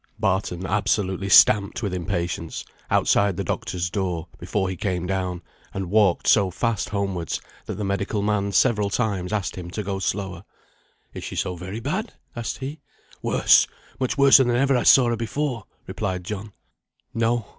Barton absolutely stamped with impatience, outside the doctor's door, before he came down; and walked so fast homewards, that the medical man several times asked him to go slower. "Is she so very bad?" asked he. "Worse, much worser than ever I saw her before," replied John. No!